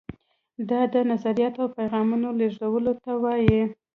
دا د نظریاتو او پیغامونو لیږدولو ته وایي.